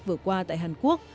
vừa qua tại hàn quốc